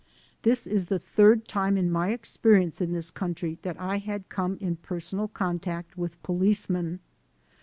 This was the third time in my experience in this country that I had come in personal contact with policemen.